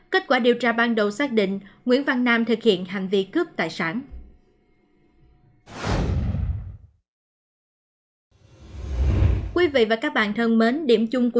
kết quả điều tra ban đầu xác định nguyễn văn nam thực hiện hành vi cướp tài sản